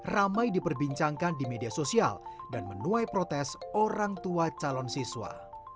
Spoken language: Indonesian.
ramai diperbincangkan di media sosial dan menuai protes orang tua calon siswa